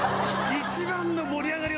一番の盛り上がりを